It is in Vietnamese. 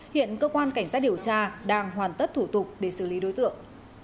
hiện cơ quan cảnh sát điều tra đang hoàn tất thủ tục để xử lý đối tượng